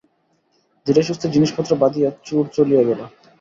ধীরে সুস্থে জিনিসপত্র বাঁধিয়া চোর চলিয়া গেল।